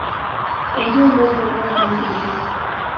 کمزور لوگ برداشت نہیں ہوتے